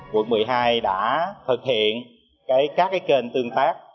quận một mươi hai đã thực hiện các kênh tương tác